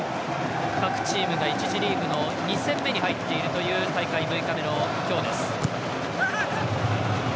各チームが１次リーグの２戦目に入っているという大会６日目の今日です。